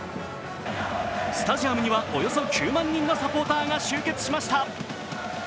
スタジアムにはおよそ９万人のサポーターが集結しました。